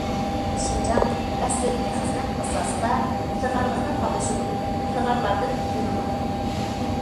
شىنجاڭ ئەسلىدىكى خىزمەت ئاساسىدا ئىلغارلىقنى تالىشىدۇ، ئىلغارلاردىن ئۆگىنىدۇ.